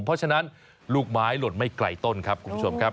เพราะฉะนั้นลูกไม้หล่นไม่ไกลต้นครับคุณผู้ชมครับ